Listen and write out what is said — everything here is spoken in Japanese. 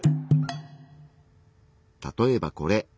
例えばこれ。